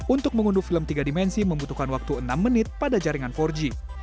untuk mengunduh film tiga dimensi membutuhkan waktu enam menit pada jaringan empat g